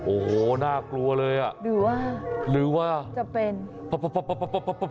โอ้โหน่ากลัวเลยอ่ะหรือว่าหรือว่าจะเป็น